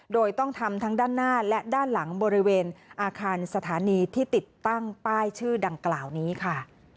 โดยต้องทำทั้งด้านหน้าและด้านหลังบริเวณอาคารสถานีที่ติดตั้งป้ายชื่อดังกล่าวนี้ค่ะ